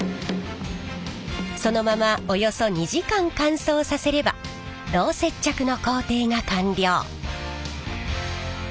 そのままおよそ２時間乾燥させれば胴接着の工程が完了。